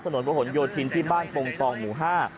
ถนนประหลโยธินที่บ้านปงตองหมู่ห้า